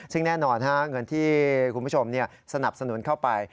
ซึ่งแน่นอนเงินที่คุณผู้ชมสนับสนุนเข้าไป